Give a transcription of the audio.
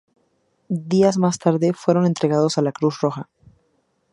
Días más tarde fueron entregados a la Cruz Roja.